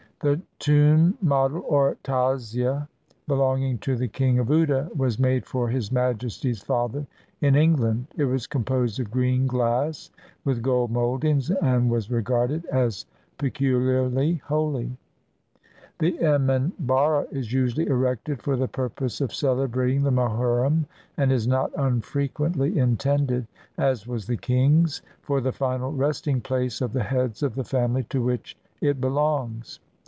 The tomb model, or tazia, belong ing to the King of Oude, was made for His Majesty's father in England; it was composed of green glass with gold mouldings, and was regarded as peculiarly holy. The emanharra is usually erected for the purpose of celebrating the Mohurrim, and is not unfrequently in tended, as was the king's, for the final resting place of the heads of the family to which it belongs.